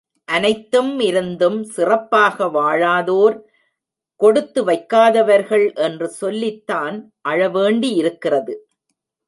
அனைத்தும் இருந்தும் சிறப்பாக வாழாதோர் கொடுத்து வைக்காதவர்கள் என்று சொல்லித் தான் அழவேண்டியிருக்கிறது.